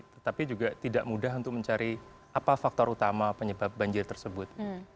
tetapi juga tidak mudah untuk mencari apa faktor utama penyebab banjir tersebut